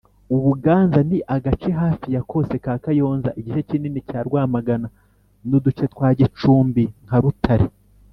Ubuganza Ni agace hafi ya kose ka Kayonza, igice kinini cya Rwamagana n’uduce twa Gicumbi nka Rutare